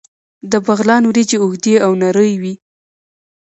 د بغلان وریجې اوږدې او نرۍ وي.